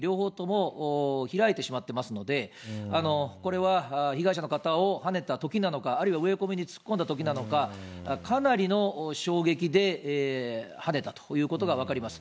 個人タクシーで、エアバックは助手席、運転席、両方とも開いてしまってますので、これは被害者の方をはねたときなのか、あるいは植え込みに突っ込んだときなのか、かなりの衝撃ではねたということが分かります。